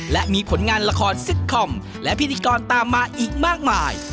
และมีผลงานละครซิตคอมและพิธีกรตามมาอีกมากมาย